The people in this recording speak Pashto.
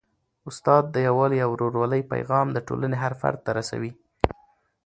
استاد د یووالي او ورورولۍ پیغام د ټولني هر فرد ته رسوي.